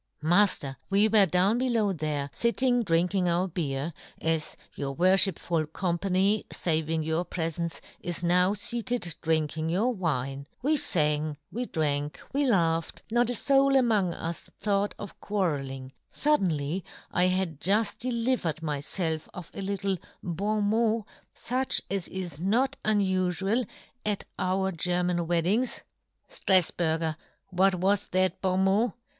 " Mafter, we were down below " there, fitting drinking our beer, as " your worfliipful company, faving " your prefence, is now feated drink " ing your wine ; we fang, we drank, " we laughed, not a foul among us " thought of quarrelling ; fuddenly, " I had juft delivered myfelf of a lit " tie bon mot, fuch as is not unufual " at our German weddings —"" Strafburger, what was that bon " mot